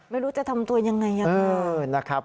ไม่รู้จะทำตัวยังไงอย่างนั้น